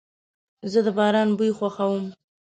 زه د باران بوی خوښوم.